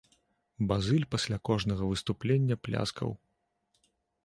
Базыль пасля кожнага выступлення пляскаў.